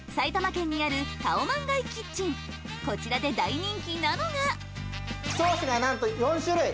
続いてはこちらで大人気なのがソースがなんと４種類。